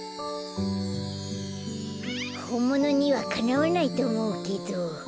ほんものにはかなわないとおもうけど。